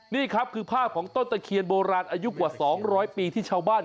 นี่ครับคือภาพของต้นตะเคียนโบราณอายุกว่า๒๐๐ปีที่ชาวบ้าน